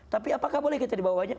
tapi apakah boleh kita dibawanya